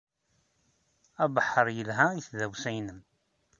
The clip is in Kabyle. Abeḥḥer yelha i tdawsa-nnem.